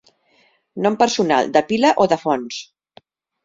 Nom personal, de pila o de fonts.